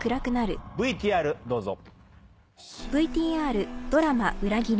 ＶＴＲどうぞ。